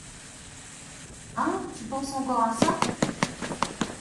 Ah ! tu penses encore à ça ?